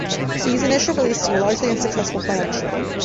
These initial releases were largely unsuccessful financially.